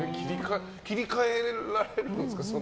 切り替えられるんですか？